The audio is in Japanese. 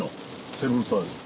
セブンスターです。